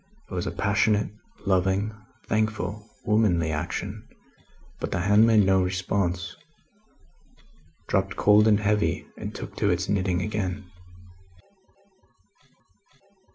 It was a passionate, loving, thankful, womanly action, but the hand made no response dropped cold and heavy, and took to its knitting again.